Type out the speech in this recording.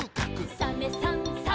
「サメさんサバさん」